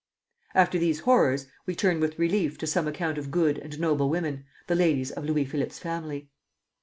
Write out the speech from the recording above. After these horrors we turn with relief to some account of good and noble women, the ladies of Louis Philippe's family.